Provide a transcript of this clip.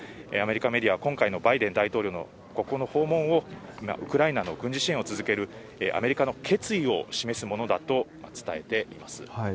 アメリカメディアは今回のバイデン大統領のここの訪問を今、ウクライナの軍事支援を続けるアメリカの決意を示すものだと伝えています。